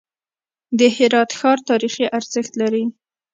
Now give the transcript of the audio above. د هرات ښار تاریخي ارزښت لري.